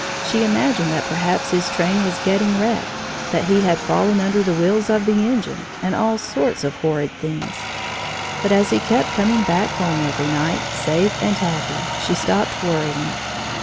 She imagined that perhaps his train was getting wrecked, that he had fallen under the wheels of the engine, and all sorts of horrid things, but as he kept coming back home every night, safe and happy, she stopped worrying.